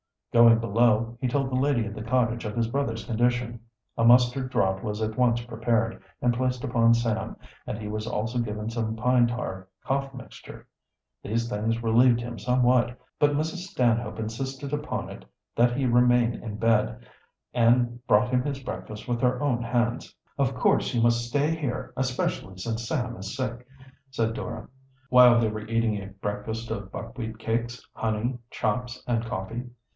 Going below, he told the lady of the cottage of his brother's condition. A mustard draught was at once prepared and placed upon Sam, and he was also given some pine tar cough mixture. These things relieved him somewhat, but Mrs. Stanhope insisted upon it that he remain in bed, and brought him his breakfast with her own hands. "Of course you must stay here, especially since Sam is sick," said Dora, while they were eating a breakfast of buckwheat cakes, honey, chops, and coffee.